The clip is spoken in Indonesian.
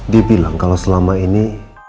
dibilang kalau selama ini